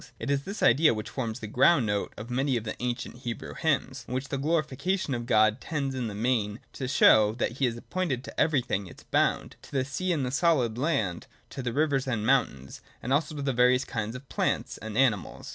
It is this idea which forms the ground note of many of the ancient Hebrew hymns, in which the glorification of God tends in the main to show that He has appointed to every thing its bound : to the sea and the solid land, to the rivers and mountains ; and also to the various kinds of plants and animals.